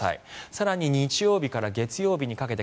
更に、日曜日から月曜日にかけて